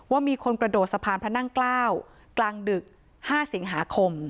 ว่ามีคนกระโดดสะพานพระนั่งเกล้ากลางดึก๕สิงหาคม